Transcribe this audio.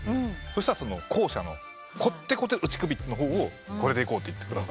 そしたら後者のこってこて打首の方をこれでいこうって言ってくださったんで。